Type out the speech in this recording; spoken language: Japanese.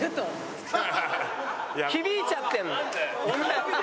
響いちゃってる。